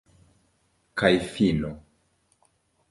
Kaj fino.